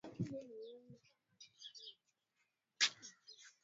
Kulikuwa na magari mengi yameegeshwa na Jacob alihisi kuna hatari mbele yake